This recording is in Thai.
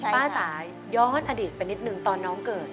จ้าย้อนอดีตไปนิดนึงตอนน้องเกิด